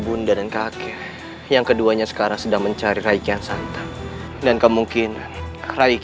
bunda dan kakek yang keduanya sekarang sedang mencari raikian santan dan kemungkinan raiki